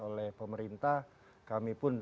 oleh pemerintah kami pun